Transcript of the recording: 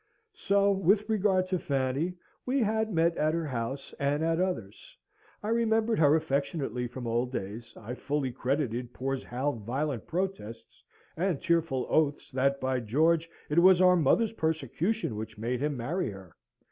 So, with regard to Fanny, we had met at her house, and at others. I remembered her affectionately from old days, I fully credited poor Hal's violent protests and tearful oaths, that, by George, it was our mother's persecution which made him marry her.